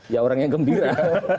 ya orangnya gembira